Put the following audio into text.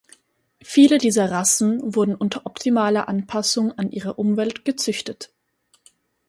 Viele dieser Rassen wurden unter optimaler Anpassung an ihre Umwelt gezüchtet.